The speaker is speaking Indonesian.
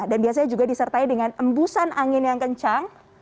dan biasanya juga disertai dengan embusan angin yang kencang